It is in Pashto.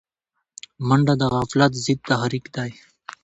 منډه د غفلت ضد تحرک دی